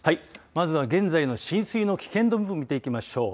まずは現在の浸水の危険度を見ていきましょう。